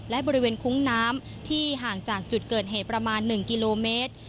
และบริเวณคุ้งน้ำที่ห่างจากจุดเกิดเหตุประมาณ๑กิโลเมตร